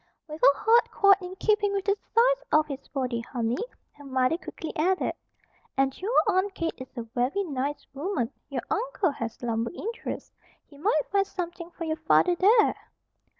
"With a heart quite in keeping with the size of his body, honey," her mother quickly added. "And your Aunt Kate is a very nice woman. Your uncle has lumber interests. He might find something for your father there."